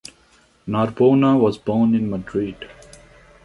Narbona was born in Madrid.